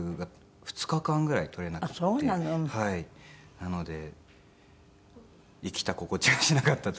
なので生きた心地がしなかったというか。